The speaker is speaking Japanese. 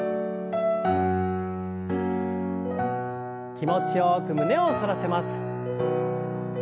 気持ちよく胸を反らせます。